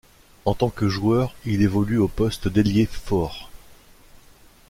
En tant que joueur, il évolue au poste d'ailier fort.